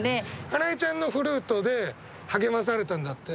英恵ちゃんのフルートで励まされたんだって。